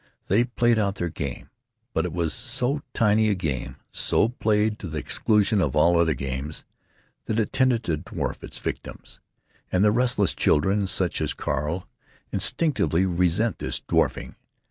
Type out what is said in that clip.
They played out their game. But it was so tiny a game, so played to the exclusion of all other games, that it tended to dwarf its victims—and the restless children, such as Carl, instinctively resent this dwarfing.